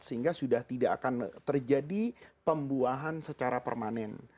sehingga sudah tidak akan terjadi pembuahan secara permanen